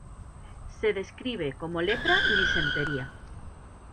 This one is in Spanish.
Se describe como lepra y disentería.